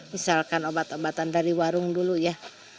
misalkan obat obatan dari warung dulu ya